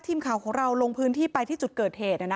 ทีมข่าวของเราลงพื้นที่ไปที่จุดเกิดเหตุ